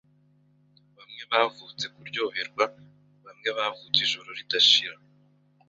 Bamwe Bavutse kuryoherwa Bamwe bavutse Ijoro ridashira